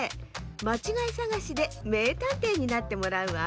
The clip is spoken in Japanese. まちがいさがしでめいたんていになってもらうわ。